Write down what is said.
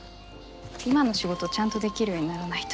今の仕事ちゃんとできるようにならないと。